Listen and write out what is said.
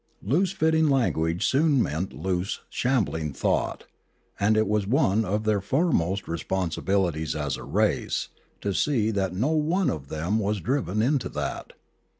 Loose fitting language soon meant loose, shambling thought, and it was one of their foremost responsibilities as a race to see that no one of them was driven into that.